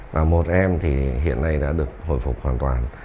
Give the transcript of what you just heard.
và một em thì hiện nay đã được hồi phục hoàn toàn